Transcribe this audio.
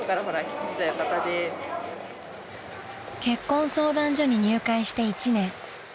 ［結婚相談所に入会して１年］